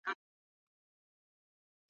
نن سبا به نه یم زمانې راپسی مه ګوره .